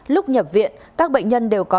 lúc nhập viện các bệnh nhân đều có